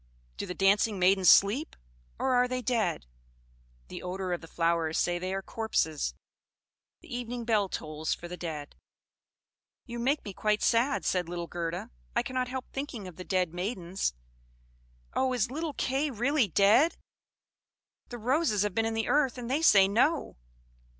Do the dancing maidens sleep, or are they dead? The odour of the flowers says they are corpses; the evening bell tolls for the dead!" "You make me quite sad," said little Gerda. "I cannot help thinking of the dead maidens. Oh! is little Kay really dead? The Roses have been in the earth, and they say no."